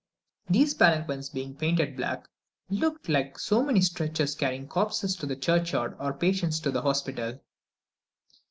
These palanquins being painted black, looked like so many stretchers carrying corpses to the churchyard or patients to the hospital.